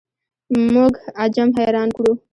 موږ عجم حیران کړو.